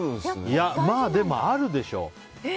まあでもあるでしょ。